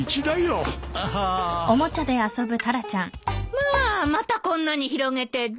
まあまたこんなに広げてだ。